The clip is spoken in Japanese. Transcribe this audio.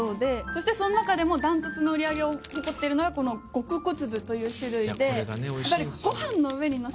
そしてその中でも断トツの売り上げを誇っているのがこの極小粒という種類で。